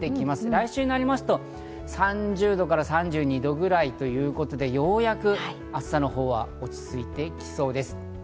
来週になると３０度から３２度くらいということで、ようやく暑さのほうは落ち着いてきそうです。